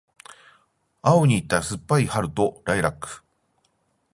青に似た酸っぱい春とライラック